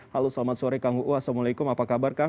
halo selamat sore kang uu assalamualaikum apa kabar kang